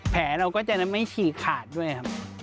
เราก็จะไม่ฉีกขาดด้วยครับ